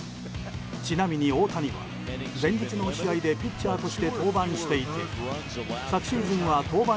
ちなみに大谷は、前日の試合でピッチャーとして登板していて昨シーズンは登板